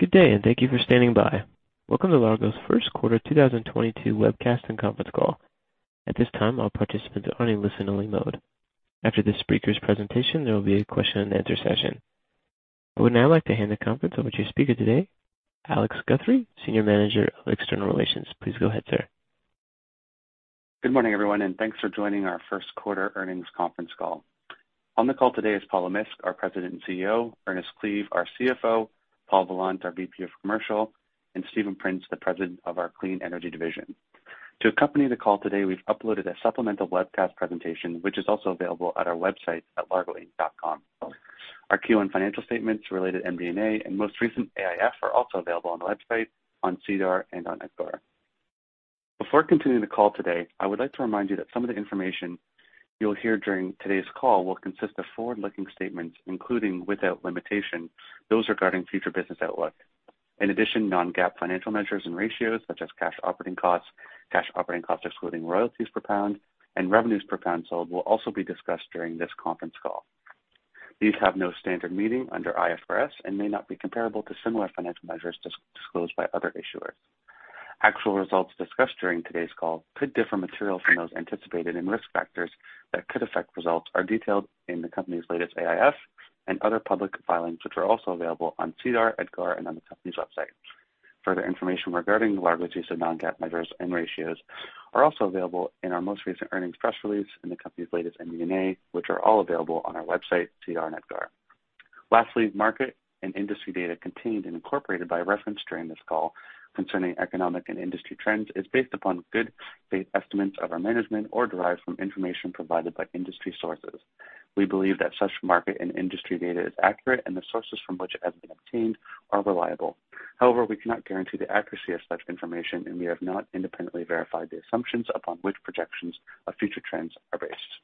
Good day, and thank you for standing by. Welcome to Largo First Quarter 2022 Webcast and Conference Call. At this time, all participants are in listen-only mode. After the speaker's presentation, there will be a question and answer session. I would now like to hand the conference over to your speaker today, Alex Guthrie, Senior Manager, External Relations. Please go ahead, sir. Good morning, everyone, and thanks for joining our first quarter earnings conference call. On the call today is Paulo Misk, our President and CEO, Ernest Cleave, our CFO, Paul Vollant, our VP of Commercial, and Stephen Prince, the President of our Clean Energy Division. To accompany the call today, we've uploaded a supplemental webcast presentation, which is also available at our website at largoinc.com. Our Q1 financial statements related to MD&A and most recent AIF are also available on the website, on SEDAR and on EDGAR. Before continuing the call today, I would like to remind you that some of the information you'll hear during today's call will consist of forward-looking statements, including without limitation, those regarding future business outlook. In addition, non-GAAP financial measures and ratios such as cash operating costs, cash operating costs excluding royalties per pound, and revenues per pound sold will also be discussed during this conference call. These have no standard meaning under IFRS and may not be comparable to similar financial measures disclosed by other issuers. Actual results discussed during today's call could differ materially from those anticipated, and risk factors that could affect results are detailed in the company's latest AIF and other public filings, which are also available on SEDAR, EDGAR, and on the company's website. Further information regarding Largo's use of non-GAAP measures and ratios are also available in our most recent earnings press release in the company's latest MD&A, which are all available on our website, SEDAR, and EDGAR. Lastly, market and industry data contained and incorporated by reference during this call concerning economic and industry trends is based upon good faith estimates of our management or derived from information provided by industry sources. We believe that such market and industry data is accurate and the sources from which it has been obtained are reliable. However, we cannot guarantee the accuracy of such information, and we have not independently verified the assumptions upon which projections of future trends are based.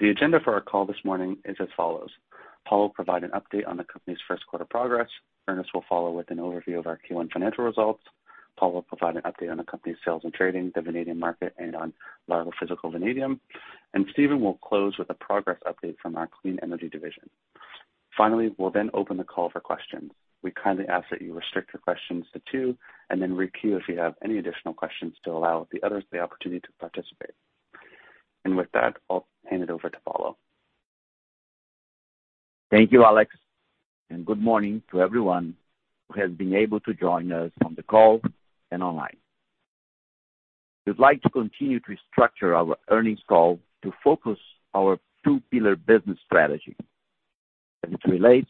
The agenda for our call this morning is as follows. Paulo will provide an update on the company's first quarter progress. Ernest will follow with an overview of our Q1 financial results. Paul will provide an update on the company's sales and trading, the vanadium market, and on Largo Physical Vanadium. Stephen will close with a progress update from our clean energy division. Finally, we'll then open the call for questions. We kindly ask that you restrict your questions to two and then re-queue if you have any additional questions to allow the others the opportunity to participate. With that, I'll hand it over to Paulo. Thank you, Alex, and good morning to everyone who has been able to join us on the call and online. We'd like to continue to structure our earnings call to focus our two pillar business strategy as it relates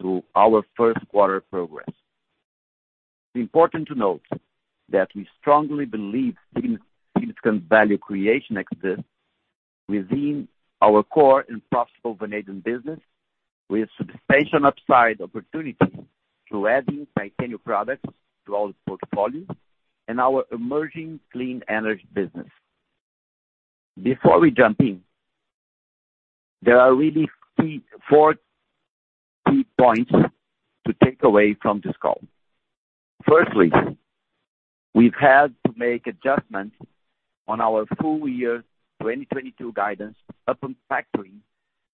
to our first quarter progress. It's important to note that we strongly believe significant value creation exists within our core and profitable vanadium business, with substantial upside opportunity through adding titanium products to our portfolio and our emerging clean energy business. Before we jump in, there are really four key points to take away from this call. First, we've had to make adjustments on our full year 2022 guidance upon factoring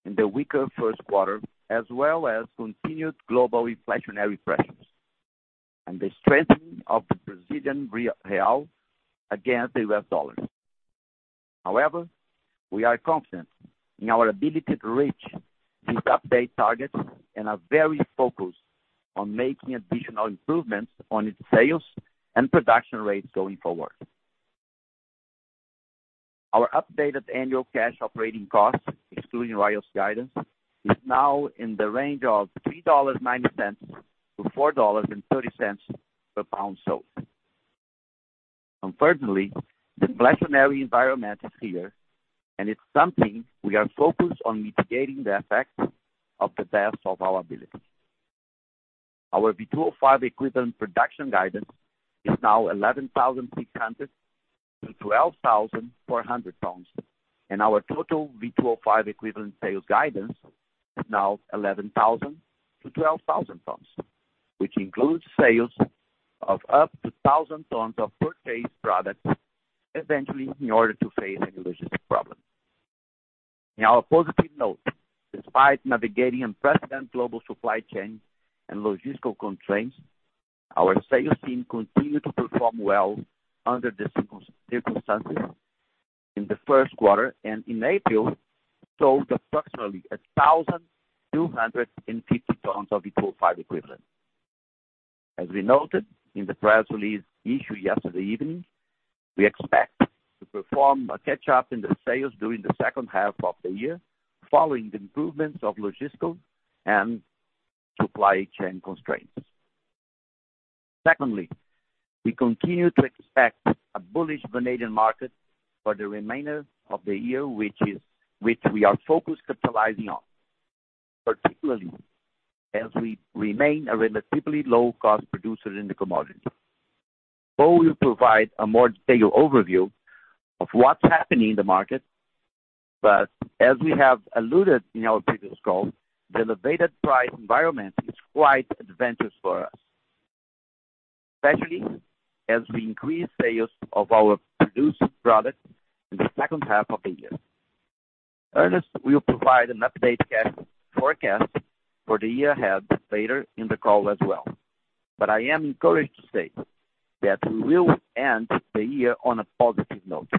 in the weaker first quarter, as well as continued global inflationary pressures and the strengthening of the Brazilian real against the U.S. dollar. However, we are confident in our ability to reach these updated targets and are very focused on making additional improvements on its sales and production rates going forward. Our updated annual cash operating costs, excluding royalties guidance, is now in the range of $3.90-$4.30 per pound sold. Unfortunately, the inflationary environment is here, and it's something we are focused on mitigating the effects of the best of our ability. Our V2O5 equivalent production guidance is now 11,600 tons-12,400 tons, and our total V2O5 equivalent sales guidance is now 11,000 tons-12,000 tons, which includes sales of up to 1,000 tons of third-party products eventually in order to face any logistics problem. In our positive note, despite navigating unprecedented global supply chains and logistical constraints, our sales team continued to perform well under the circumstances in the first quarter, and in April sold approximately 1,250 tons of V2O5 equivalent. As we noted in the press release issued yesterday evening, we expect to perform a catch-up in the sales during the second half of the year, following the improvements of logistical and supply chain constraints. Secondly, we continue to expect a bullish vanadium market for the remainder of the year, which we are focused capitalizing on, particularly as we remain a relatively low-cost producer in the commodity. Paul will provide a more detailed overview of what's happening in the market. As we have alluded in our previous calls, the elevated price environment is quite advantageous for us. Especially as we increase sales of our produced products in the second half of the year. Ernest will provide an update cash forecast for the year ahead later in the call as well. I am encouraged to say that we will end the year on a positive note.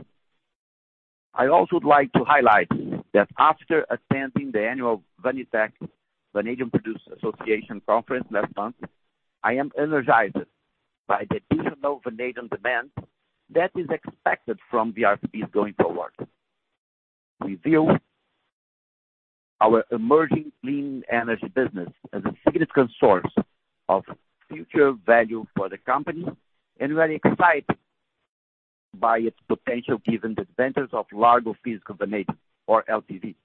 I also would like to highlight that after attending the annual Vanitec Vanadium Producers Association conference last month, I am energized by the additional vanadium demand that is expected from VRFBs going forward. We view our emerging clean energy business as a significant source of future value for the company, and we are excited by its potential given the ventures of Largo Physical Vanadium or LPV.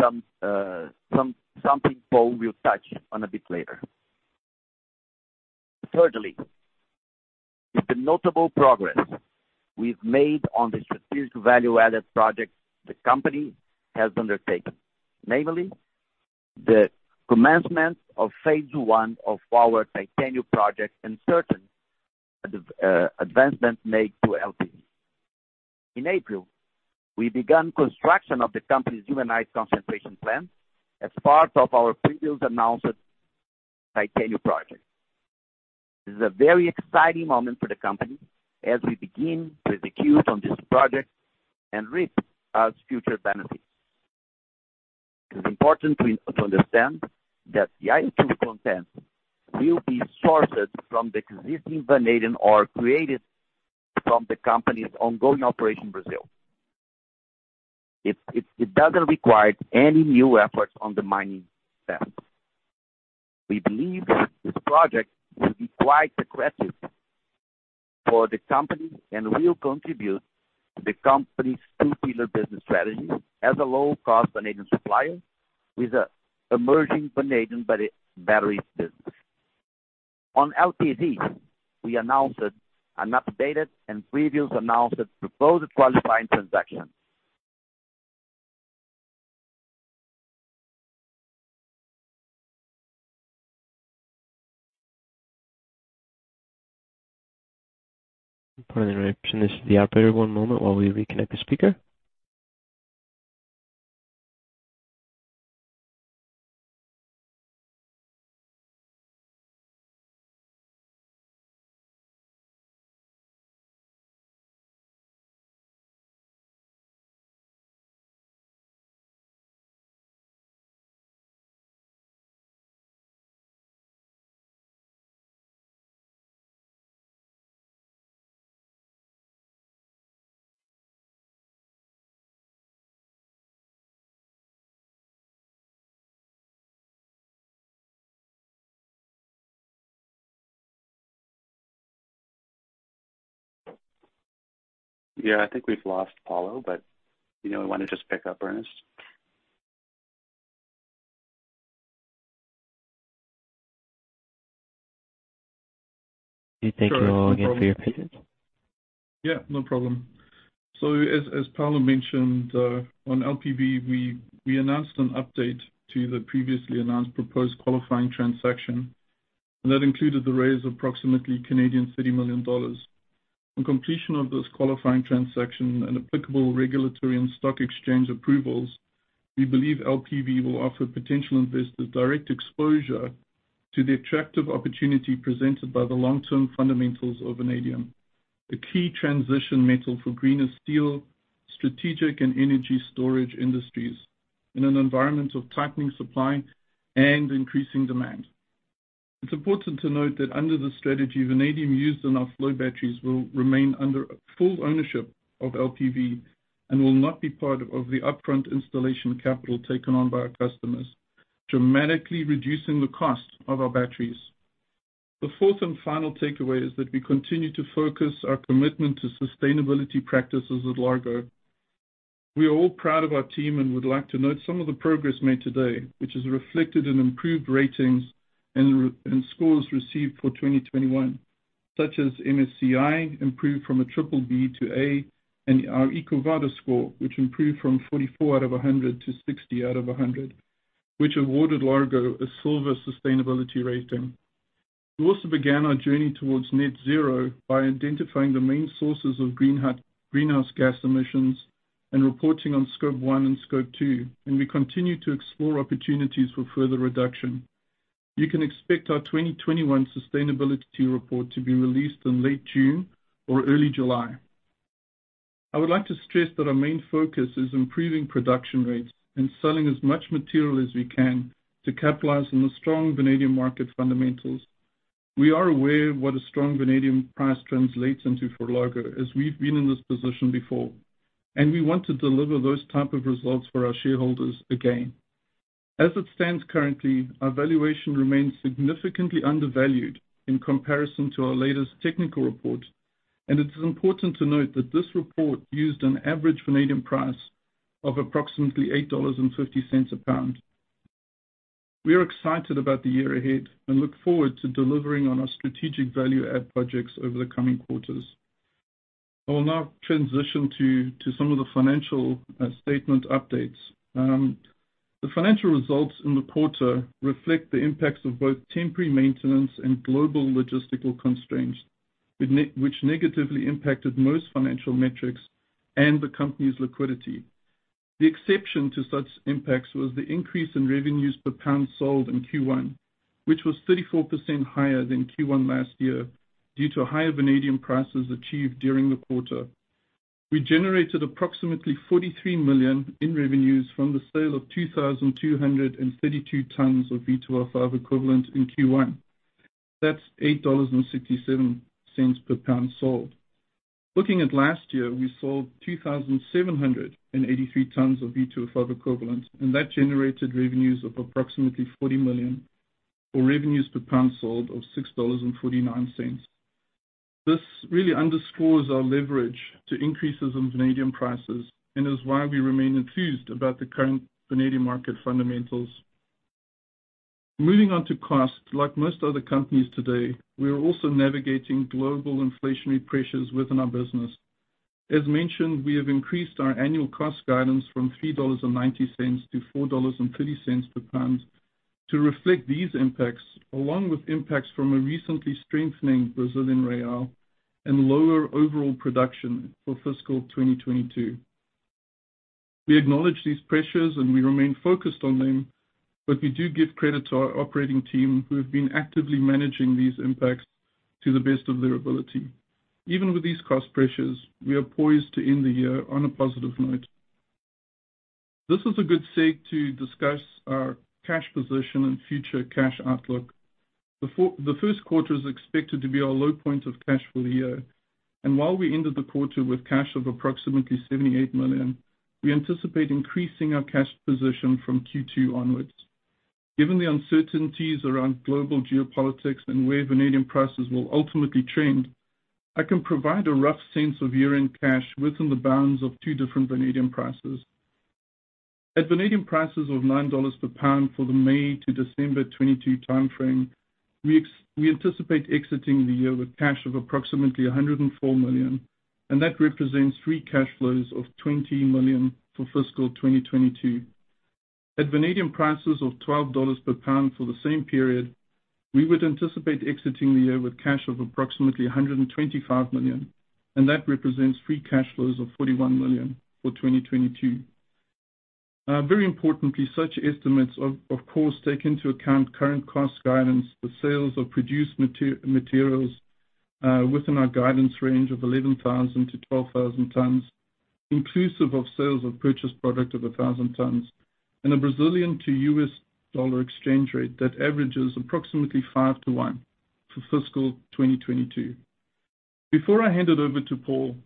Something Paul will touch on a bit later. Thirdly, the notable progress we've made on the strategic value-added project the company has undertaken, namely the commencement of phase one of our titanium project and certain advancements made to LPV. In April, we began construction of the company's ilmenite concentration plant as part of our previously announced titanium project. This is a very exciting moment for the company as we begin to execute on this project and reap our future benefits. It's important to understand that the ilmenite content will be sourced from the existing vanadium ore created from the company's ongoing operations in Brazil. It doesn't require any new efforts on the mining side. We believe this project will be quite accretive for the company and will contribute to the company's two-pillar business strategy as a low-cost vanadium supplier with an emerging vanadium batteries business. On LPV, we announced an updated and previously announced proposed qualifying transaction. Please direct your question to the operator. One moment while we reconnect the speaker. Yeah, I think we've lost Paulo, but, you know, want to just pick up, Ernest? We thank you all again for your patience. Yeah, no problem. As Paulo mentioned, on LPV, we announced an update to the previously announced proposed qualifying transaction, and that included the raise of approximately 30 million Canadian dollars. On completion of this qualifying transaction and applicable regulatory and stock exchange approvals, we believe LPV will offer potential investors direct exposure to the attractive opportunity presented by the long-term fundamentals of vanadium, the key transition metal for greener steel, strategic and energy storage industries in an environment of tightening supply and increasing demand. It's important to note that under the strategy, vanadium used in our flow batteries will remain under full ownership of LPV and will not be part of the upfront installation capital taken on by our customers, dramatically reducing the cost of our batteries. The fourth and final takeaway is that we continue to focus our commitment to sustainability practices at Largo. We are all proud of our team and would like to note some of the progress made today, which is reflected in improved ratings and scores received for 2021, such as MSCI improved from BBB to A, and our EcoVadis score, which improved from 44 out of 100 to 60 out of 100, which awarded Largo a silver sustainability rating. We also began our journey towards net zero by identifying the main sources of greenhouse gas emissions and reporting on scope one and scope two, and we continue to explore opportunities for further reduction. You can expect our 2021 sustainability report to be released in late June or early July. I would like to stress that our main focus is improving production rates and selling as much material as we can to capitalize on the strong vanadium market fundamentals. We are aware of what a strong vanadium price translates into for Largo, as we've been in this position before, and we want to deliver those type of results for our shareholders again. As it stands currently, our valuation remains significantly undervalued in comparison to our latest technical report, and it is important to note that this report used an average vanadium price of approximately $8.50 a lb. We are excited about the year ahead and look forward to delivering on our strategic value add projects over the coming quarters. I will now transition to some of the financial statement updates. The financial results in the quarter reflect the impacts of both temporary maintenance and global logistical constraints which negatively impacted most financial metrics and the company's liquidity. The exception to such impacts was the increase in revenues per pound sold in Q1, which was 34% higher than Q1 last year due to higher vanadium prices achieved during the quarter. We generated approximately $43 million in revenues from the sale of 2,232 tons of V2O5 equivalent in Q1. That's $8.67 per lb sold. Looking at last year, we sold 2,783 tons of V2O5 equivalent, and that generated revenues of approximately $40 million, or revenues per pound sold of $6.49. This really underscores our leverage to increases in vanadium prices and is why we remain enthused about the current vanadium market fundamentals. Moving on to cost, like most other companies today, we are also navigating global inflationary pressures within our business. As mentioned, we have increased our annual cost guidance from $3.90 to $4.30 per lb to reflect these impacts, along with impacts from a recently strengthening Brazilian real and lower overall production for fiscal 2022. We acknowledge these pressures, and we remain focused on them, but we do give credit to our operating team who have been actively managing these impacts to the best of their ability. Even with these cost pressures, we are poised to end the year on a positive note. This is a good segue to discuss our cash position and future cash outlook. The first quarter is expected to be our low point of cash for the year, and while we ended the quarter with cash of approximately $78 million, we anticipate increasing our cash position from Q2 onwards. Given the uncertainties around global geopolitics and where vanadium prices will ultimately trend, I can provide a rough sense of year-end cash within the bounds of two different vanadium prices. At vanadium prices of $9 per lb for the May to December 2022 timeframe, we anticipate exiting the year with cash of approximately $104 million, and that represents free cash flows of $20 million for fiscal 2022. At vanadium prices of $12 per lb for the same period, we would anticipate exiting the year with cash of approximately $125 million, and that represents free cash flows of $41 million for 2022. Very importantly, such estimates of course take into account current cost guidance with sales of produced materials within our guidance range of 11,000 tons-12,000 tons, inclusive of sales of purchased product of 1,000 tons, and a Brazilian real to U.S. dollar exchange rate that averages approximately 5-1 for fiscal 2022. Before I hand it over to Paul,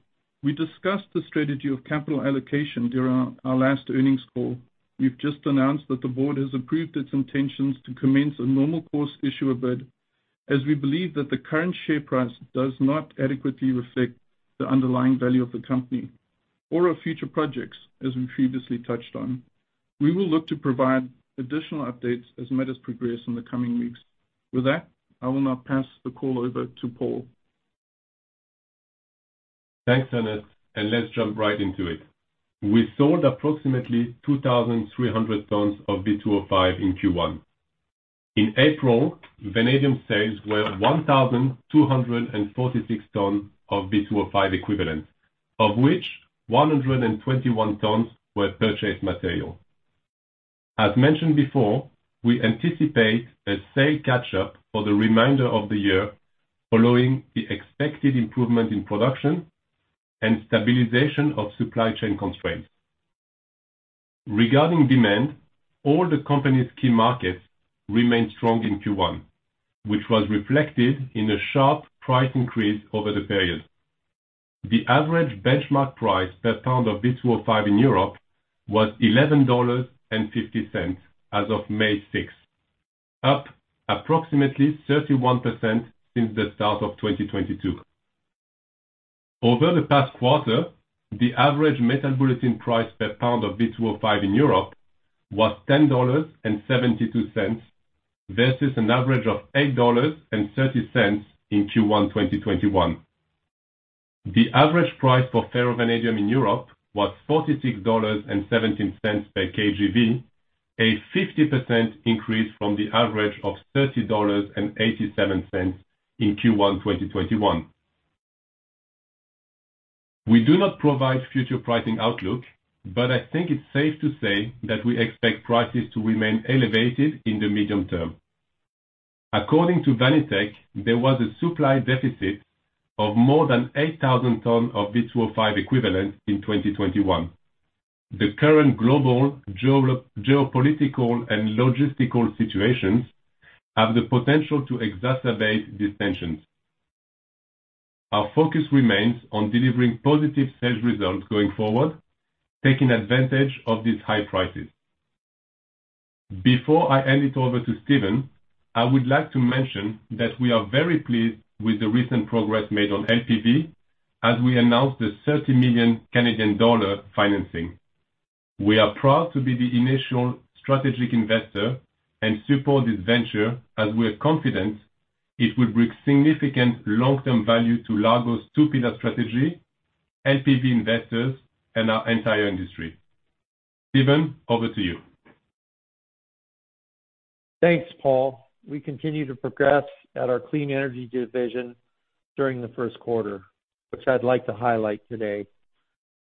we discussed the strategy of capital allocation during our last earnings call. We've just announced that the board has approved its intentions to commence a normal course issuer bid as we believe that the current share price does not adequately reflect the underlying value of the company or our future projects, as we previously touched on. We will look to provide additional updates as matters progress in the coming weeks. With that, I will now pass the call over to Paul. Thanks, Ernest, and let's jump right into it. We sold approximately 2,300 tons of V2O5 in Q1. In April, vanadium sales were 1,246 tons of V2O5 equivalent, of which 121 tons were purchased material. As mentioned before, we anticipate a sale catch-up for the remainder of the year following the expected improvement in production and stabilization of supply chain constraints. Regarding demand, all the company's key markets remained strong in Q1, which was reflected in a sharp price increase over the period. The average benchmark price per pound of V2O5 in Europe was $11.50 as of May 6th, up approximately 31% since the start of 2022. Over the past quarter, the average Metal Bulletin price per pound of V2O5 in Europe was $10.72 versus an average of $8.30 in Q1 2021. The average price for ferrovanadium in Europe was $46.17 per kgV, a 50% increase from the average of $30.87 in Q1 2021. We do not provide future pricing outlook, but I think it's safe to say that we expect prices to remain elevated in the medium term. According to Vanitec, there was a supply deficit of more than 8,000 tons of V2O5 equivalent in 2021. The current global geopolitical and logistical situations have the potential to exacerbate these tensions. Our focus remains on delivering positive sales results going forward, taking advantage of these high prices. Before I hand it over to Stephen, I would like to mention that we are very pleased with the recent progress made on LPV as we announced a 30 million Canadian dollar financing. We are proud to be the initial strategic investor and support this venture as we're confident it will bring significant long-term value to Largo's two-pillar strategy, LPV investors and our entire industry. Stephen, over to you. Thanks, Paul. We continue to progress at our Clean Energy Division during the first quarter, which I'd like to highlight today.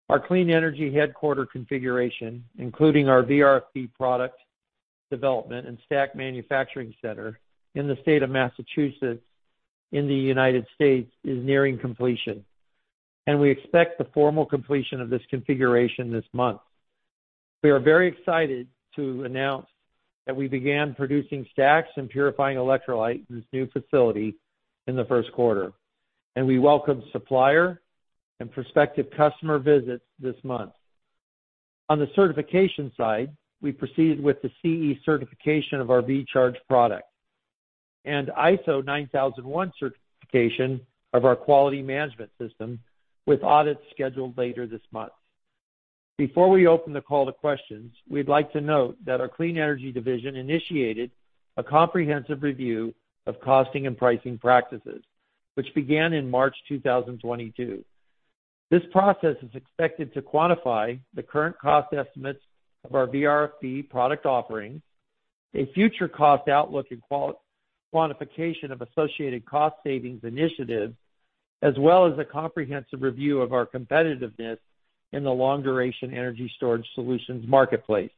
Our Clean Energy headquarters configuration, including our VRFB product development and stack manufacturing center in the state of Massachusetts in the United States, is nearing completion, and we expect the formal completion of this configuration this month. We are very excited to announce that we began producing stacks and purifying electrolyte in this new facility in the first quarter, and we welcome supplier and prospective customer visits this month. On the certification side, we proceeded with the CE certification of our VCHARGE product and ISO 9001 certification of our quality management system with audits scheduled later this month. Before we open the call to questions, we'd like to note that our clean energy division initiated a comprehensive review of costing and pricing practices, which began in March 2022. This process is expected to quantify the current cost estimates of our VRFB product offerings, a future cost outlook and quantification of associated cost savings initiatives, as well as a comprehensive review of our competitiveness in the long-duration energy storage solutions marketplace.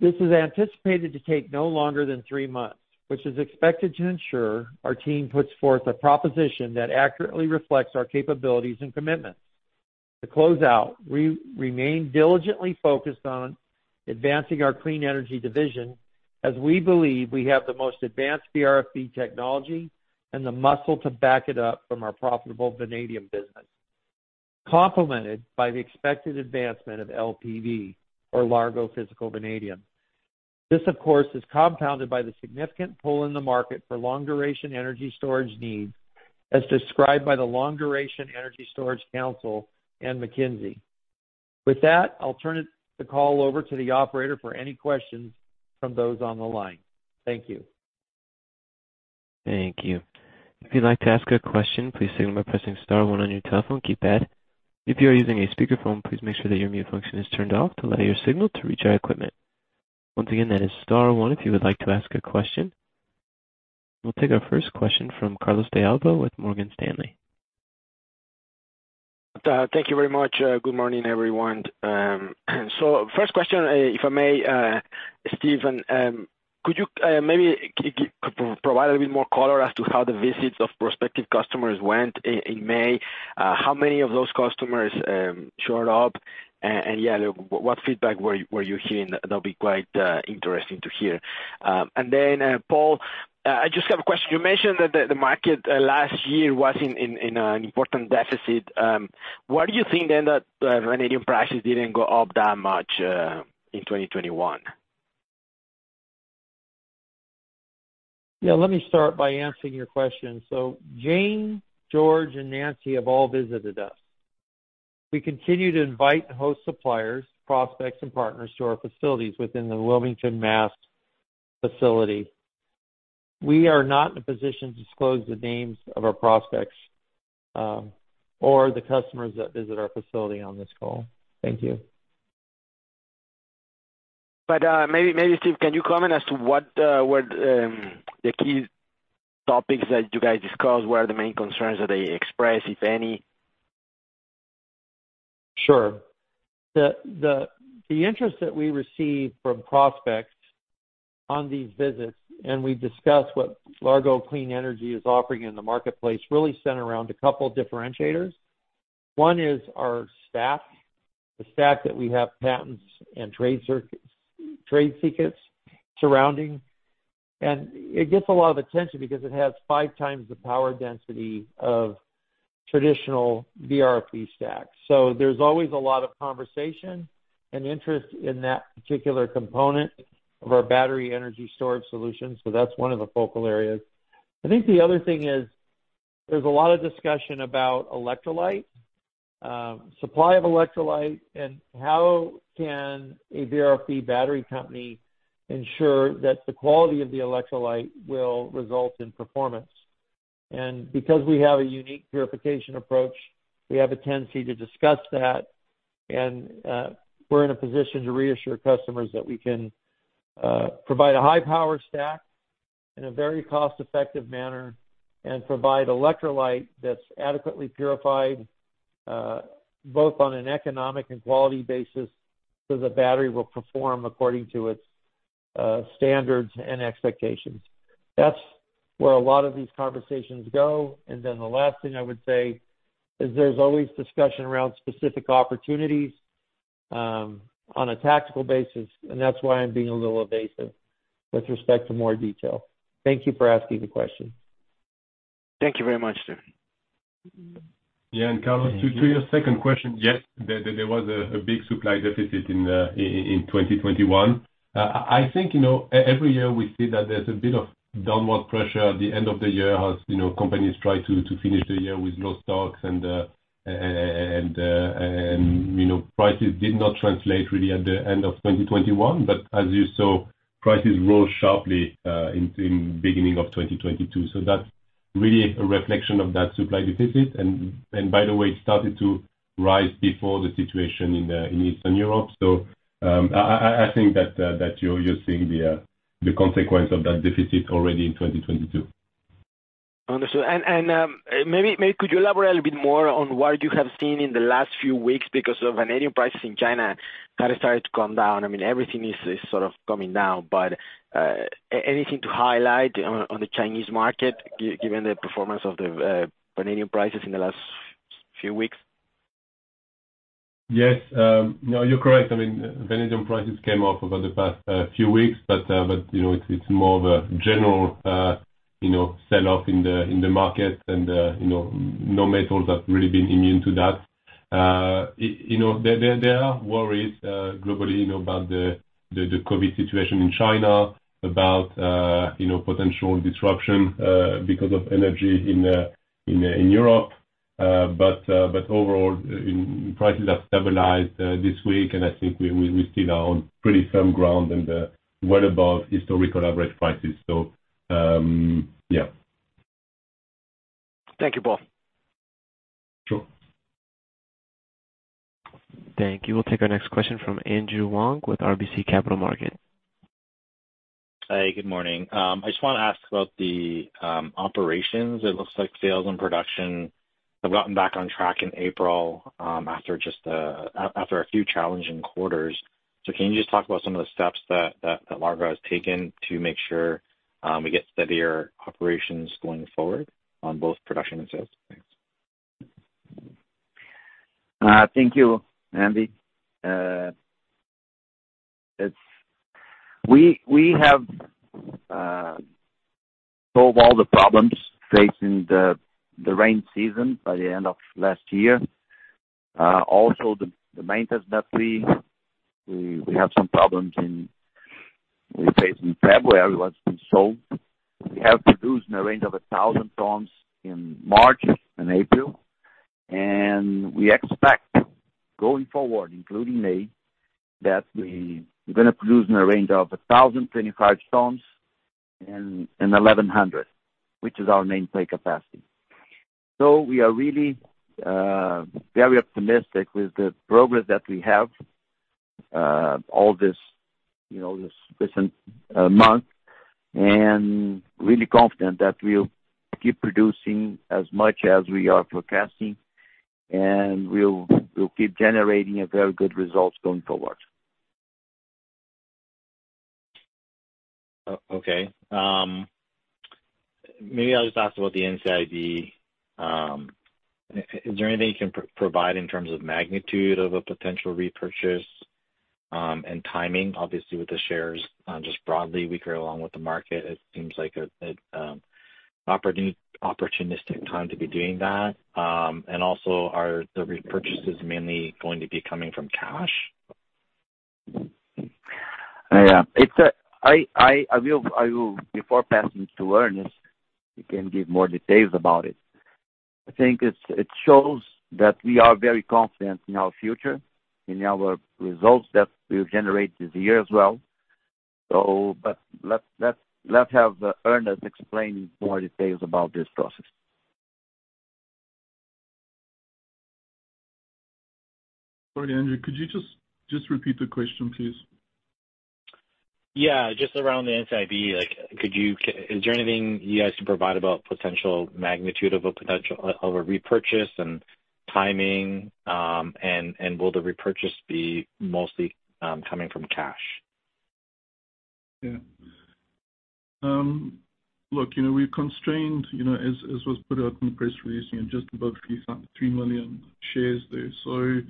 This is anticipated to take no longer than three months, which is expected to ensure our team puts forth a proposition that accurately reflects our capabilities and commitments. To close out, we remain diligently focused on advancing our clean energy division as we believe we have the most advanced VRFB technology and the muscle to back it up from our profitable vanadium business. Complemented by the expected advancement of LPV or Largo Physical Vanadium. This, of course, is compounded by the significant pull in the market for long-duration energy storage needs as described by the Long Duration Energy Storage Council and McKinsey. With that, I'll turn the call over to the operator for any questions from those on the line. Thank you. Thank you. If you'd like to ask a question, please signal by pressing star one on your telephone keypad. If you are using a speakerphone, please make sure that your mute function is turned off to allow your signal to reach our equipment. Once again, that is star one if you would like to ask a question. We'll take our first question from Carlos de Alba with Morgan Stanley. Thank you very much. Good morning, everyone. First question, if I may, Stephen, could you maybe provide a bit more color as to how the visits of prospective customers went in May? How many of those customers showed up? And yeah, what feedback were you hearing? That'll be quite interesting to hear. Paul, I just have a question. You mentioned that the market last year was in an important deficit. Why do you think then that vanadium prices didn't go up that much in 2021? Yeah, let me start by answering your question. Jane, George and Nancy have all visited us. We continue to invite and host suppliers, prospects and partners to our facilities within the Wilmington, Massachusetts facility. We are not in a position to disclose the names of our prospects, or the customers that visit our facility on this call. Thank you. Maybe Stephen, can you comment as to what were the key topics that you guys discussed, what are the main concerns that they expressed, if any? Sure. The interest that we receive from prospects on these visits, and we've discussed what Largo Clean Energy is offering in the marketplace, really center around a couple of differentiators. One is our stack. The stack that we have patents and trade secrets surrounding. It gets a lot of attention because it has five times the power density of traditional VRFB stack. There's always a lot of conversation and interest in that particular component of our battery energy storage solution. That's one of the focal areas. I think the other thing is there's a lot of discussion about electrolyte, supply of electrolyte and how can a VRFB battery company ensure that the quality of the electrolyte will result in performance. Because we have a unique purification approach, we have a tendency to discuss that. We're in a position to reassure customers that we can provide a high power stack in a very cost-effective manner and provide electrolyte that's adequately purified both on an economic and quality basis, so the battery will perform according to its standards and expectations. That's where a lot of these conversations go. The last thing I would say is there's always discussion around specific opportunities on a tactical basis, and that's why I'm being a little evasive with respect to more detail. Thank you for asking the question. Thank you very much, Steve. Yeah, Carlos, to your second question. Yes, there was a big supply deficit in 2021. I think, you know, every year we see that there's a bit of downward pressure at the end of the year as, you know, companies try to finish the year with low stocks and, you know, prices did not translate really at the end of 2021, but as you saw, prices rose sharply in the beginning of 2022. That's really a reflection of that supply deficit. By the way, it started to rise before the situation in Eastern Europe. I think that you're seeing the consequence of that deficit already in 2022. Understood. Maybe could you elaborate a bit more on what you have seen in the last few weeks because of vanadium prices in China kind of started to come down. I mean, everything is sort of coming down, but anything to highlight on the Chinese market given the performance of the vanadium prices in the last few weeks? Yes. No, you're correct. I mean, vanadium prices came up over the past few weeks, but you know, it's more of a general you know sell-off in the market and you know no metals have really been immune to that. You know, there are worries globally you know about the COVID situation in China about you know potential disruption because of energy in Europe. But overall, metal prices have stabilized this week, and I think we still are on pretty firm ground and well above historical average prices. Yeah. Thank you, Paul. Sure. Thank you. We'll take our next question from Andrew Wong with RBC Capital Markets. Hi, good morning. I just wanna ask about the operations. It looks like sales and production have gotten back on track in April after just a few challenging quarters. Can you just talk about some of the steps that Largo has taken to make sure we get steadier operations going forward on both production and sales? Thanks. Thank you, Andy. We have solved all the problems facing the rainy season by the end of last year. Also the maintenance is now free. We have some problems we faced in February that's been solved. We have produced in a range of 1,000 tons in March and April. We expect going forward, including May, that we're gonna produce in a range of 1,025 tons and 1,100 tons, which is our main plant capacity. We are really very optimistic with the progress that we have all this, you know, this recent month, and really confident that we'll keep producing as much as we are forecasting, and we'll keep generating a very good results going forward. Okay. Maybe I'll just ask about the NCIB. Is there anything you can provide in terms of magnitude of a potential repurchase, and timing, obviously with the shares just broadly weaker along with the market? It seems like a opportunistic time to be doing that. Also, are the repurchases mainly going to be coming from cash? Yeah. I will before passing to Ernest. He can give more details about it. I think it shows that we are very confident in our future, in our results that we'll generate this year as well. Let's have Ernest explain more details about this process. Sorry, Andrew, could you just repeat the question, please? Yeah, just around the NCIB, like, is there anything you guys can provide about potential magnitude of a repurchase and timing? And will the repurchase be mostly coming from cash? Yeah. Look, you know, we're constrained, you know, as was put out in the press release, you know, just above 3 million shares there. So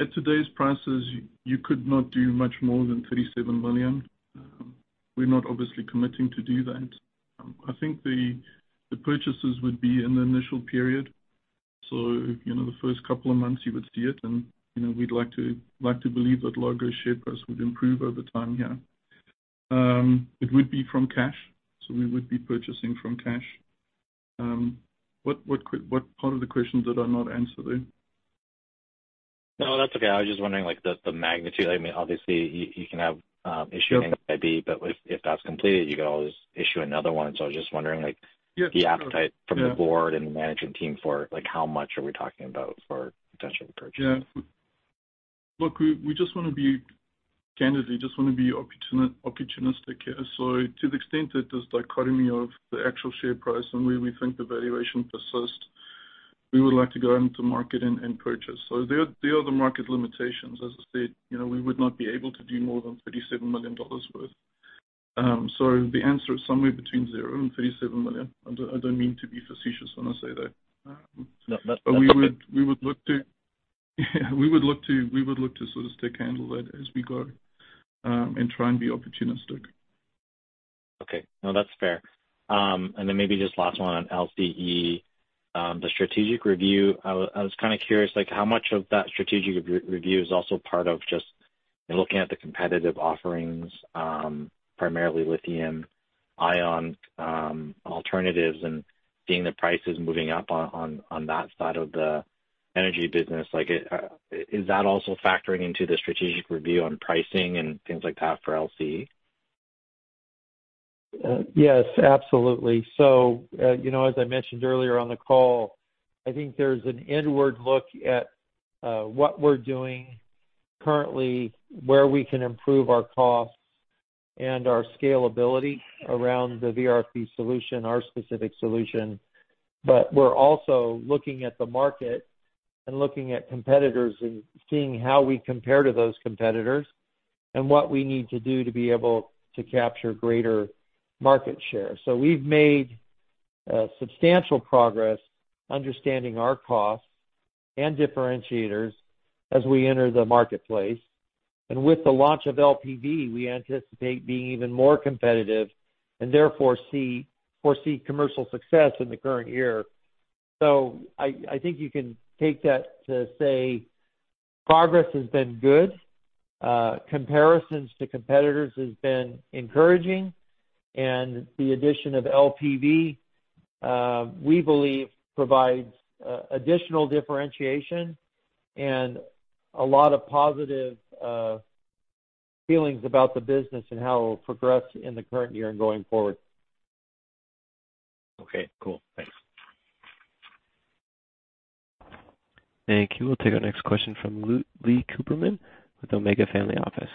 at today's prices, you could not do much more than $37 million. We're not obviously committing to do that. I think the purchases would be in the initial period. So, you know, the first couple of months you would see it and, you know, we'd like to believe that Largo share price would improve over time, yeah. It would be from cash, so we would be purchasing from cash. What part of the question did I not answer there? No, that's okay. I was just wondering like the magnitude. I mean, obviously you can have NCIB, but if that's completed, you can always issue another one. I was just wondering like Yeah. The appetite from the board and the management team for like how much are we talking about for potential repurchase? Yeah. Look, we just wanna be candidly, just wanna be opportunistic here. To the extent that there's dichotomy of the actual share price and where we think the valuation persists, we would like to go into the market and purchase. There are the market limitations. As I said, you know, we would not be able to do more than $37 million worth. The answer is somewhere between zero and $37 million. I don't mean to be facetious when I say that. No, that's okay. We would look to sort of stay candid that as we go, and try and be opportunistic. Okay. No, that's fair. Maybe just last one on LCE, the strategic review. I was kinda curious, like how much of that strategic review is also part of just looking at the competitive offerings, primarily lithium? Eye on alternatives and seeing the prices moving up on that side of the energy business. Like, is that also factoring into the strategic review on pricing and things like that for LCE? Yes, absolutely. You know, as I mentioned earlier on the call, I think there's an inward look at what we're doing currently, where we can improve our costs and our scalability around the VRFB solution, our specific solution. We're also looking at the market and looking at competitors and seeing how we compare to those competitors and what we need to do to be able to capture greater market share. We've made substantial progress understanding our costs and differentiators as we enter the marketplace. With the launch of LPV, we anticipate being even more competitive and therefore foresee commercial success in the current year. I think you can take that to say progress has been good, comparisons to competitors has been encouraging, and the addition of LPV, we believe provides additional differentiation and a lot of positive feelings about the business and how it will progress in the current year and going forward. Okay, cool. Thanks. Thank you. We'll take our next question from Leon Cooperman with Omega Family Office.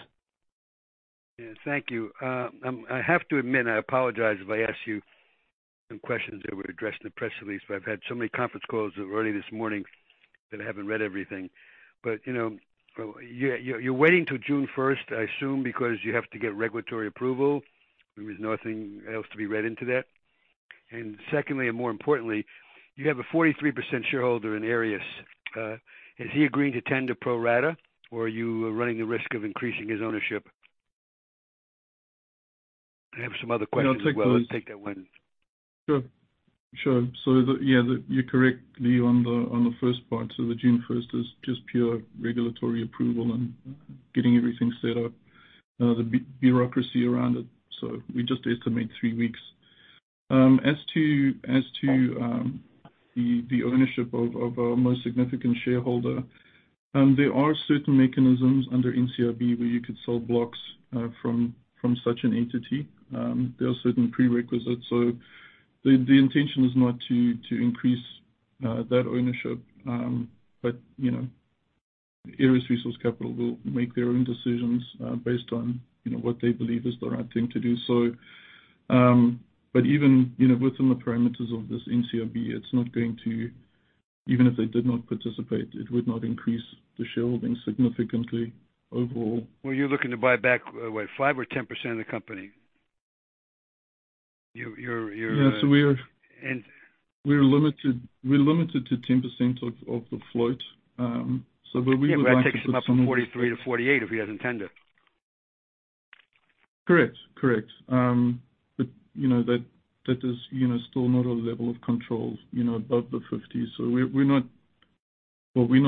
Yes, thank you. I have to admit, I apologize if I ask you some questions that were addressed in the press release, but I've had so many conference calls already this morning that I haven't read everything. You know, you're waiting till June 1st, I assume, because you have to get regulatory approval. There is nothing else to be read into that. Secondly, and more importantly, you have a 43% shareholder in Arias. Has he agreed to tender pro rata, or are you running the risk of increasing his ownership? I have some other questions as well. I'll take that one. Sure. You're correct, Lee, on the first part. The June first is just pure regulatory approval and getting everything set up, the bureaucracy around it. We just estimate three weeks. As to the ownership of our most significant shareholder, there are certain mechanisms under NCIB where you could sell blocks from such an entity. There are certain prerequisites. The intention is not to increase that ownership. But, you know, Arias Resource Capital will make their own decisions based on, you know, what they believe is the right thing to do. But even, you know, within the parameters of this NCIB, it's not going to, even if they did not participate, it would not increase the shareholding significantly overall. Well, you're looking to buy back, what, 5% or 10% of the company. Yeah. And- We're limited to 10% of the float. We would like- Yeah, that takes it up from 43% to 48% if he doesn't tender. Correct. You know, that is still not a level of control, you know, above the fifties. We're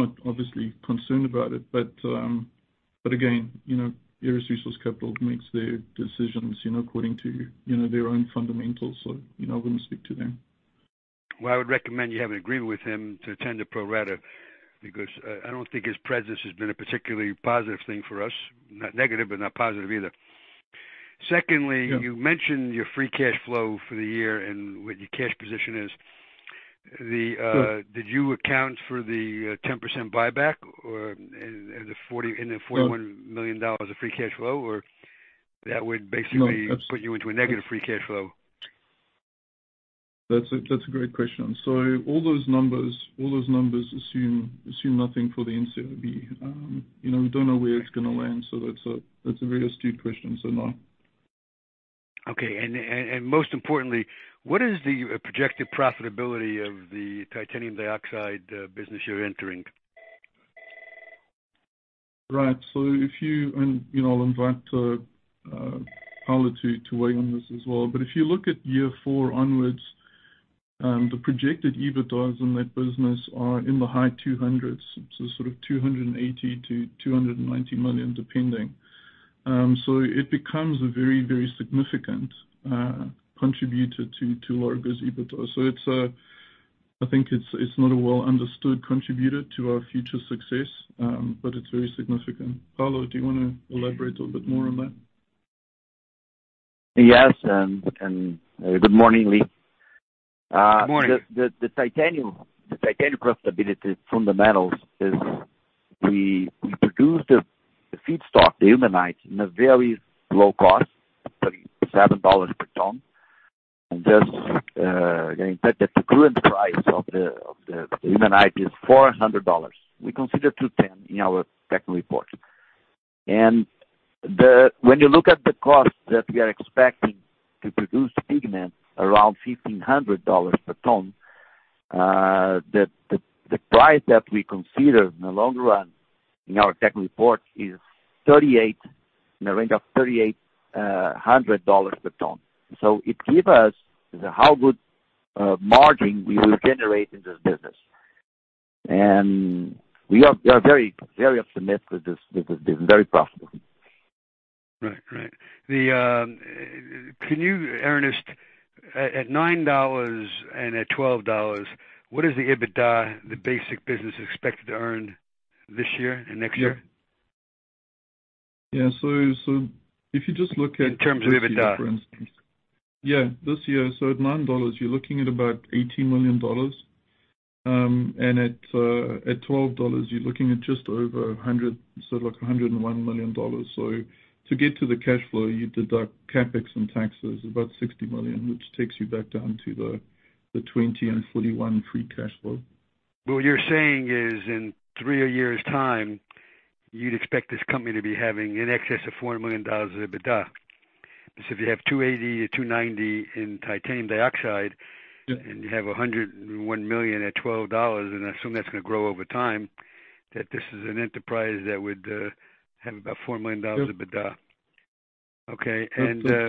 not obviously concerned about it, but well, we're not, but again, you know, Arias Resource Capital makes their decisions, you know, according to, you know, their own fundamentals. You know, I wouldn't speak to them. Well, I would recommend you have an agreement with him to tend to pro rata, because I don't think his presence has been a particularly positive thing for us. Not negative, but not positive either. Secondly. Yeah. You mentioned your free cash flow for the year and what your cash position is. Sure. Did you account for the 10% buyback or in the 40%. No. In the $41 million of free cash flow? Or that would basically- No, that's. Put you into a negative free cash flow. That's a great question. All those numbers assume nothing for the NCIB. You know, we don't know where it's gonna land. That's a very astute question. No. Okay. Most importantly, what is the projected profitability of the titanium dioxide business you're entering? Right. You know, I'll invite Paulo to weigh in on this as well. If you look at year four onwards, the projected EBITDAs in that business are in the high 200s, so sort of $280 million-$290 million, depending. It becomes a very, very significant contributor to Largo's EBITDA. I think it's not a well-understood contributor to our future success, but it's very significant. Paulo, do you wanna elaborate a little bit more on that? Yes, good morning, Leon. Good morning. The titanium profitability fundamentals is we produce the feedstock, the ilmenite, in a very low cost, $37 per ton. Just the current price of the ilmenite is $400. We consider 210 in our technical report. When you look at the cost that we are expecting to produce pigment around $1,500 per ton, the price that we consider in the long run in our tech report is $3,800 per ton. So it give us how good margin we will generate in this business. We are very optimistic that this has been very profitable. Right. Can you, Ernest, at $9 and at $12, what is the EBITDA the basic business expected to earn this year and next year? Yeah. If you just look at. In terms of EBITDA. This year, at $9 you're looking at about $80 million. At $12 you're looking at just over $100 million, so like $101 million. To get to the cash flow, you deduct CapEx and taxes, about $60 million, which takes you back down to the 20 and 41 free cash flow. What you're saying is in three years time you'd expect this company to be having in excess of $4 million of EBITDA. If you have 2.8 or 2.9 in titanium dioxide- Yeah. You have $101 million at $12, and I assume that's gonna grow over time, that this is an enterprise that would have about $4 million. Yeah. Of EBITDA. Okay.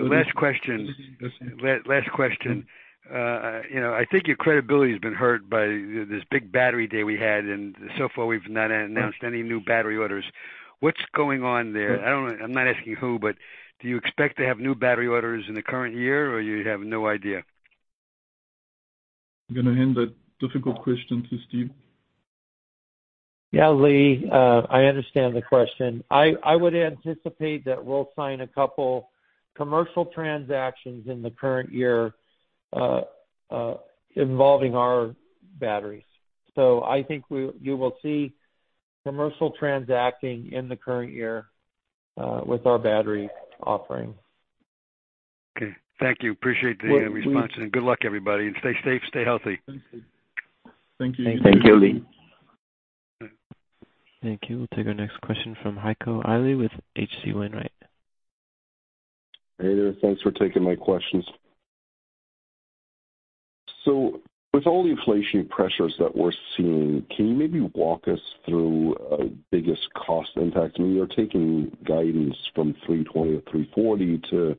Last question. You know, I think your credibility has been hurt by this big battery day we had, and so far we've not announced any new battery orders. What's going on there? I don't know. I'm not asking you who, but do you expect to have new battery orders in the current year or you have no idea? I'm gonna hand that difficult question to Stephen. Yeah, Lee, I understand the question. I would anticipate that we'll sign a couple commercial transactions in the current year, involving our batteries. I think you will see commercial transacting in the current year, with our battery offering. Okay. Thank you. Appreciate the response. We-we- Good luck everybody, and stay safe, stay healthy. Thank you. Thank you. Thank you, Leon. Thank you. We'll take our next question from Heiko Ihle with H.C. Wainwright. Hey there. Thanks for taking my questions. With all the inflationary pressures that we're seeing, can you maybe walk us through biggest cost impact? I mean, you're taking guidance from $3.2 to $3.4 to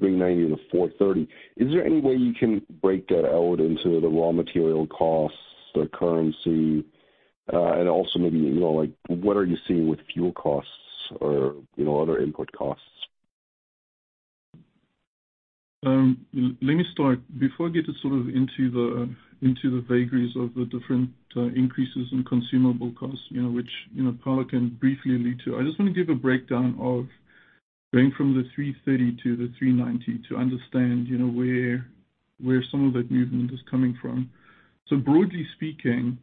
$3.9 to $4.3. Is there any way you can break that out into the raw material costs, the currency? And also maybe, you know, like what are you seeing with fuel costs or, you know, other input costs? Let me start. Before I get into the vagaries of the different increases in consumable costs, you know, which Paulo can briefly allude to. I just want to give a breakdown of going from the $3.3 to the $3.9 to understand, you know, where some of that movement is coming from. Broadly speaking,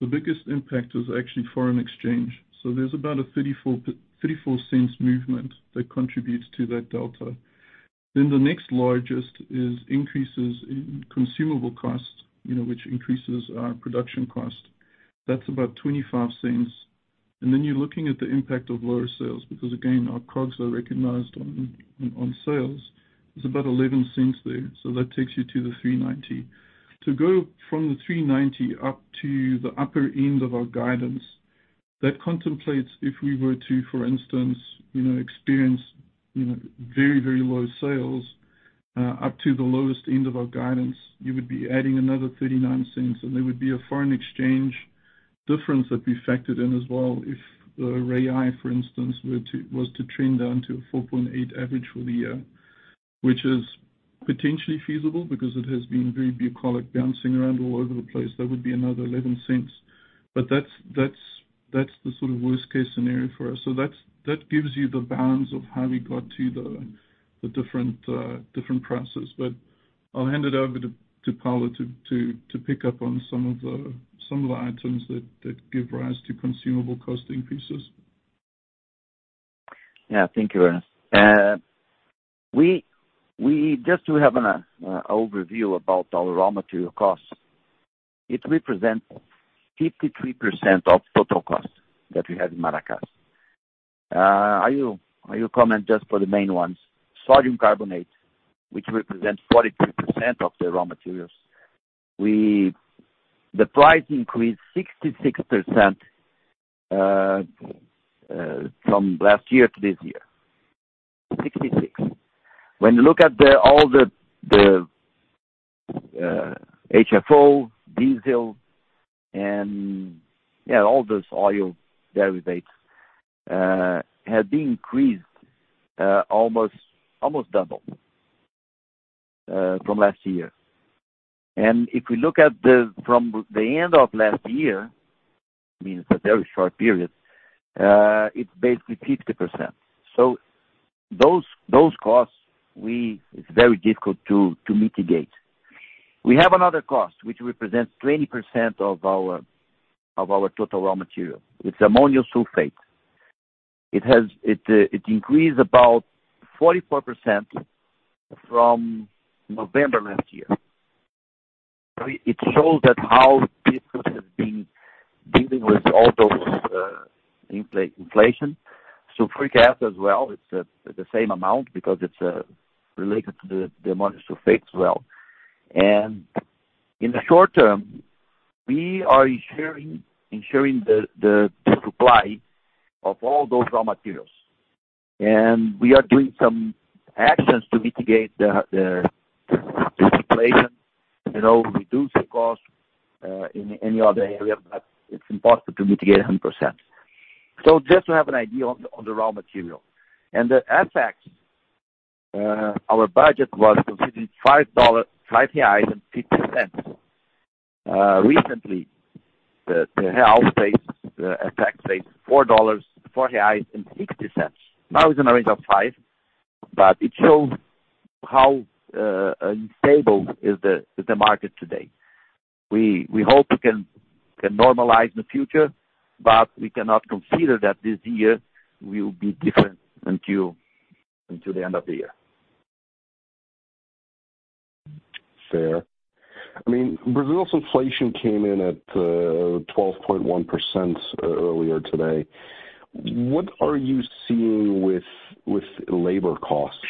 the biggest impact was actually foreign exchange. There's about a $0.34 movement that contributes to that delta. Then the next largest is increases in consumable costs, you know, which increases our production cost. That's about $0.25. Then you're looking at the impact of lower sales because again our COGS are recognized on sales. It's about $0.11 there. That takes you to the $3.9. To go from the $3.9 up to the upper end of our guidance. That contemplates if we were to, for instance, you know, experience, you know, very, very low sales up to the lowest end of our guidance, you would be adding another $0.39, and there would be a foreign exchange difference that'd be factored in as well. If BRL, for instance, was to trend down to a $4.8 average for the year, which is potentially feasible because it has been very volatile bouncing around all over the place. That would be another $0.11. But that's the sort of worst case scenario for us. That gives you the bounds of how we got to the different prices. I'll hand it over to Paulo to pick up on some of the items that give rise to consumable cost increases. Yeah. Thank you, Ernest. We just want to have an overview about our raw material costs. It represents 53% of total costs that we have in Maracás. I will comment just for the main ones. Sodium carbonate, which represents 43% of the raw materials. The price increased 66% from last year to this year. When you look at all the HFO, diesel and all those oil derivatives, have been increased almost double from last year. If we look from the end of last year, I mean, it's a very short period, it's basically 50%. Those costs it's very difficult to mitigate. We have another cost which represents 20% of our total raw material. It's ammonium sulfate. It increased about 44% from November last year. It shows that how difficult has been dealing with all those inflation. Free cash as well, it's the same amount because it's related to the ammonium sulfate as well. In the short term, we are ensuring the supply of all those raw materials. We are doing some actions to mitigate the situation. You know, we do see costs in any other area, but it's impossible to mitigate 100%. Just to have an idea on the raw material. The FX, our budget was considered BRL 5.50. Recently, the real, the FX rate is 4.60. Now it's in a range of five, but it shows how unstable is the market today. We hope we can normalize in the future, but we cannot consider that this year will be different until the end of the year. Fair. I mean, Brazil's inflation came in at 12.1% earlier today. What are you seeing with labor costs?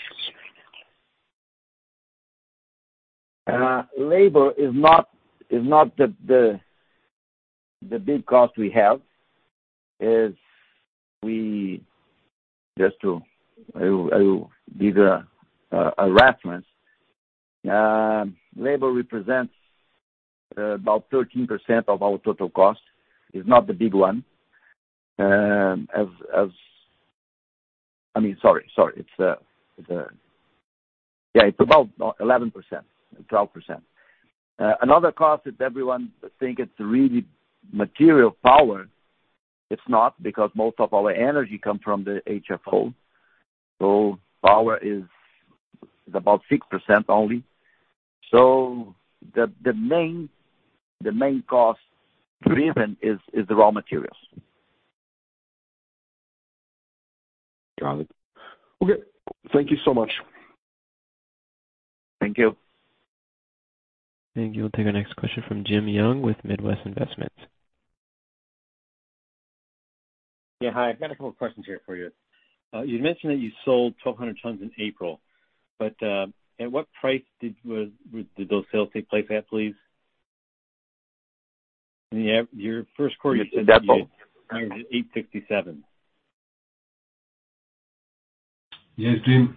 Labor is not the big cost we have. Just to, I will give a reference. Labor represents about 13% of our total cost. It's not the big one. I mean, sorry. It's about 11%, 12%. Another cost that everyone think it's really material, power. It's not, because most of our energy come from the HFO. Power is about 6% only. The main cost driven is the raw materials. Got it. Okay. Thank you so much. Thank you. Thank you. We'll take our next question from Jim Young with Midwest Investments. Yeah, hi. I've got a couple of questions here for you. You mentioned that you sold 1,200 tons in April, but at what price did those sales take place at, please? In your first quarter, you said that you did 857 tons. Yes, Jim.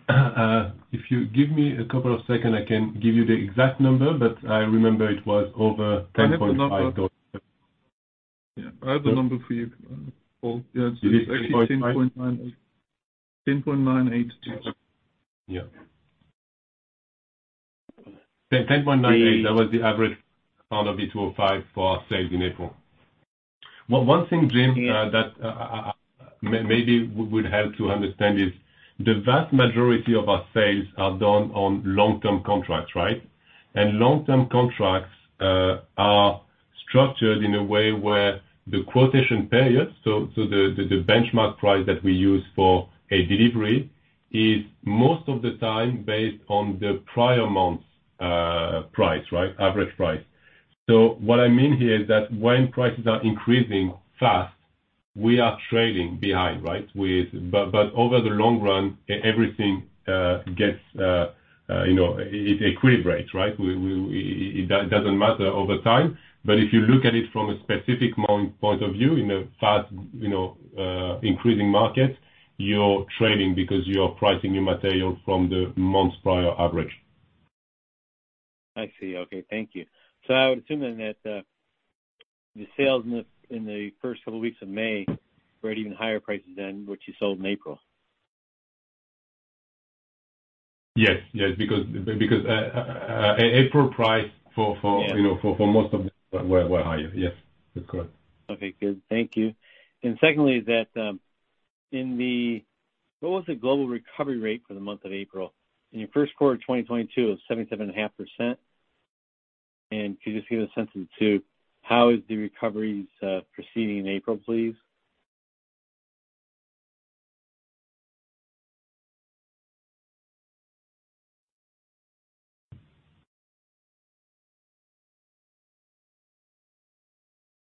If you give me a couple of seconds, I can give you the exact number, but I remember it was over $10.5. I have the number. Yeah, I have the number for you, Paul. Yeah, it's actually $10.98. $10.982. Yeah. $10.98. That was the average per pound of V2O5 for our sales in April. One thing, Jim, that maybe would help to understand is the vast majority of our sales are done on long-term contracts, right? Long-term contracts are structured in a way where the quotation period, so the benchmark price that we use for a delivery is most of the time based on the prior month's price, right? Average price. What I mean here is that when prices are increasing fast, we are trailing behind, right? Over the long run everything gets, you know, it equilibrates, right? It doesn't matter over time. If you look at it from a specific point of view in a fast, you know, increasing market, you're trailing because you are pricing your material from the month's prior average. I see. Okay. Thank you. I would assume then that the sales in the first couple of weeks of May were at even higher prices than what you sold in April. Yes. Yes. Because April price for. Yeah. You know, for most of them were higher. Yes, that's correct. Okay, good. Thank you. Secondly, what was the global recovery rate for the month of April? In your first quarter of 2022, it was 77.5%. Could you just give a sense as to how is the recoveries proceeding in April, please?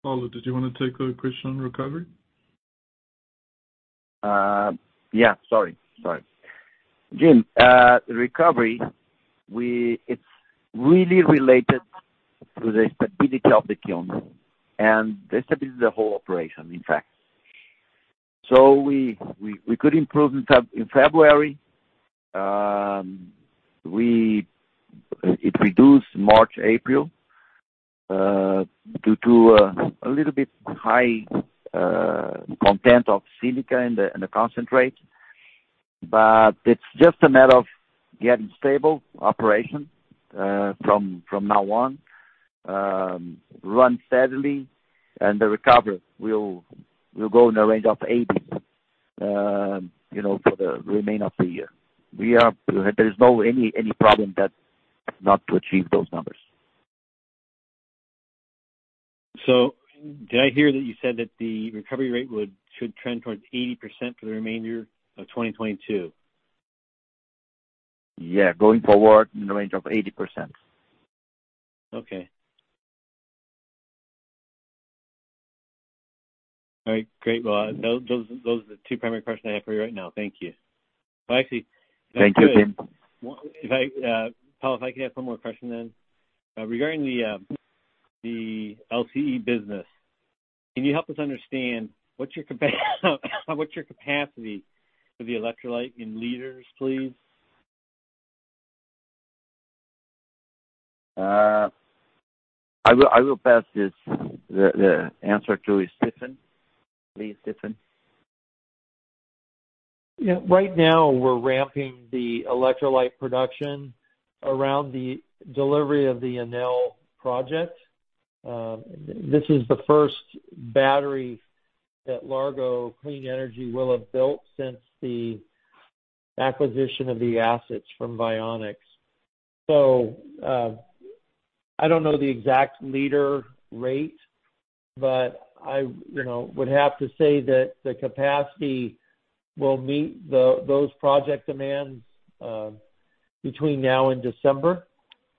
Paulo, did you wanna take the question on recovery? Yeah. Sorry. Jim, recovery, it's really related to the stability of the kiln and the stability of the whole operation, in fact. We could improve in February. It reduced March, April, due to a little bit high content of silica in the concentrate. It's just a matter of getting stable operation from now on, run steadily, and the recovery will go in the range of 80%, you know, for the remainder of the year. There is no problem that not to achieve those numbers. Did I hear that you said that the recovery rate should trend towards 80% for the remainder of 2022? Yeah. Going forward in the range of 80%. Okay. All right, great. Well, those are the two primary questions I have for you right now. Thank you. Well, actually. Thank you, Jim. If I, Paulo, if I could have one more question then. Regarding the LCE business. Can you help us understand what's your capacity for the electrolyte in liters, please? I will pass the answer to Stephen. Yeah. Right now we're ramping the electrolyte production around the delivery of the Enel project. This is the first battery that Largo Clean Energy will have built since the acquisition of the assets from VionX. I don't know the exact liter rate, but I, you know, would have to say that the capacity will meet those project demands between now and December.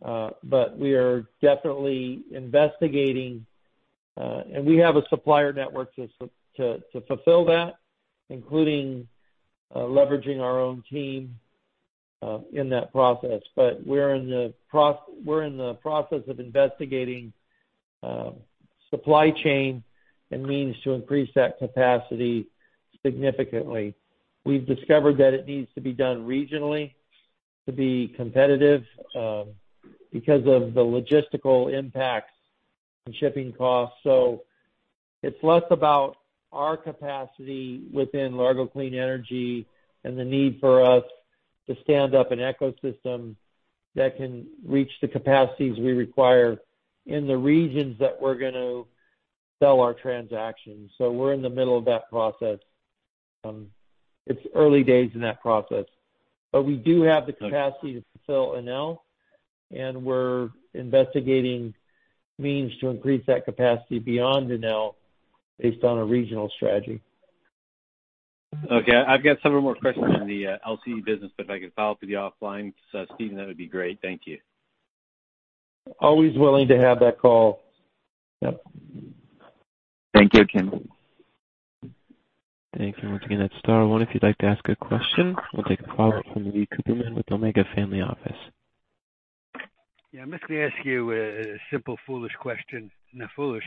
We are definitely investigating, and we have a supplier network to fulfill that, including leveraging our own team in that process. We're in the process of investigating supply chain and means to increase that capacity significantly. We've discovered that it needs to be done regionally to be competitive because of the logistical impacts and shipping costs. It's less about our capacity within Largo Clean Energy and the need for us to stand up an ecosystem that can reach the capacities we require in the regions that we're gonna sell our transactions. We're in the middle of that process. It's early days in that process. We do have the capacity to fulfill Enel, and we're investigating means to increase that capacity beyond Enel based on a regional strategy. Okay. I've got several more questions on the LCE business, but if I could follow up offline, Stephen, that would be great. Thank you. Always willing to have that call. Yep. Thank you. Thank you. Once again, that's star one if you'd like to ask a question. We'll take a call from Leon Cooperman with Omega Family Office. Yeah. I'm just gonna ask you a simple, foolish question. Not foolish.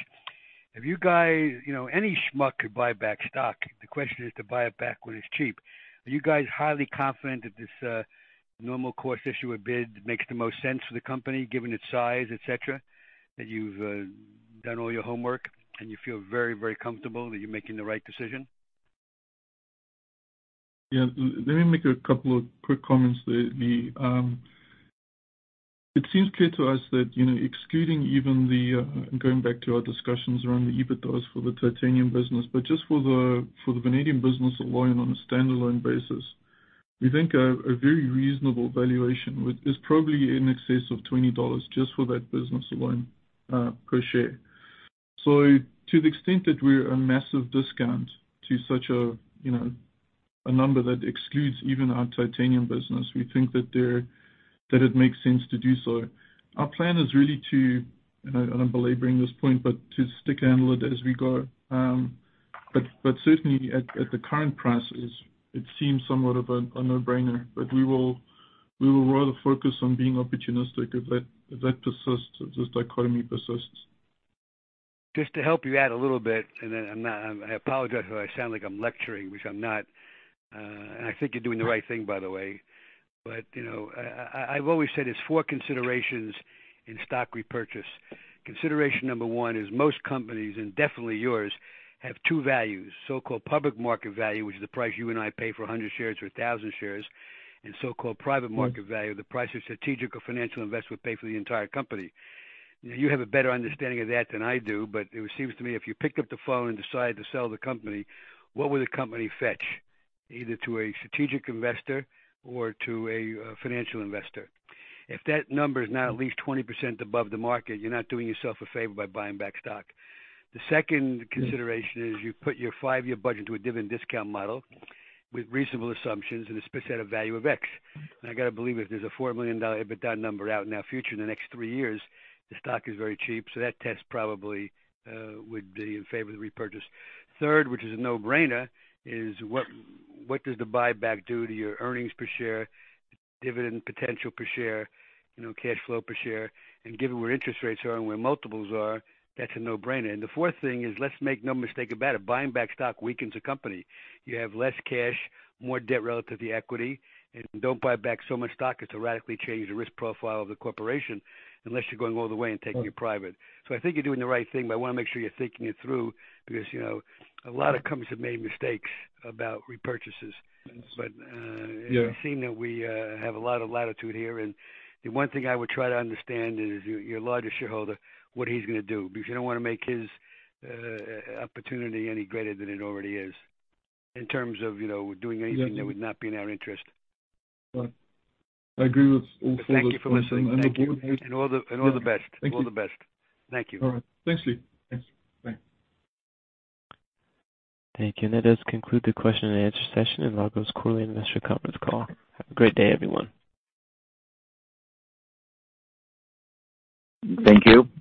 Have you guys you know, any schmuck could buy back stock. The question is to buy it back when it's cheap. Are you guys highly confident that this normal course issuer bid makes the most sense for the company, given its size, et cetera? That you've done all your homework and you feel very, very comfortable that you're making the right decision? Yeah. Let me make a couple of quick comments there, Leon. It seems clear to us that, you know, excluding even the going back to our discussions around the EBITDAs for the titanium business, but just for the vanadium business alone on a standalone basis, we think a very reasonable valuation is probably in excess of $20 just for that business alone per share. To the extent that we're a massive discount to such a, you know, a number that excludes even our titanium business, we think that it makes sense to do so. Our plan is really to, and I'm belaboring this point, but to stick handle it as we go. But certainly at the current prices, it seems somewhat of a no-brainer. We will rather focus on being opportunistic if that persists, if this dichotomy persists. Just to help you out a little bit, and then I'm not. I apologize if I sound like I'm lecturing, which I'm not. I think you're doing the right thing, by the way. You know, I've always said it's four considerations in stock repurchase. Consideration number one is most companies, and definitely yours, have two values: so-called public market value, which is the price you and I pay for 100 shares or 1,000 shares, and so-called private market value, the price a strategic or financial investor would pay for the entire company. You have a better understanding of that than I do, but it seems to me if you picked up the phone and decided to sell the company, what would the company fetch either to a strategic investor or to a financial investor? If that number is not at least 20% above the market, you're not doing yourself a favor by buying back stock. The second consideration is you put your five-year budget to a dividend discount model with reasonable assumptions and expect a value of X. I gotta believe if there's a $4 million EBITDA number out in our future in the next three years, the stock is very cheap, so that test probably would be in favor of the repurchase. Third, which is a no-brainer, is what does the buyback do to your earnings per share, dividend potential per share, you know, cash flow per share? Given where interest rates are and where multiples are, that's a no-brainer. The fourth thing is, let's make no mistake about it, buying back stock weakens a company. You have less cash, more debt relative to the equity, and don't buy back so much stock as to radically change the risk profile of the corporation unless you're going all the way and taking it private. I think you're doing the right thing, but I wanna make sure you're thinking it through because, you know, a lot of companies have made mistakes about repurchases. Yes. But, uh- Yeah. It would seem that we have a lot of latitude here. The one thing I would try to understand is your largest shareholder, what he's gonna do, because you don't wanna make his opportunity any greater than it already is in terms of, you know, doing anything that would not be in our interest. Right. I agree with all four. Thank you for listening. Thank you. The board. All the best. Yeah. Thank you. All the best. Thank you. All right. Thanks, Lee. Thanks. Bye. Thank you. That does conclude the question and answer session in Largo's quarterly investor conference call. Have a great day, everyone. Thank you. Thank you.